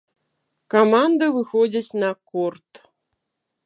Каманды выходзяць на корт.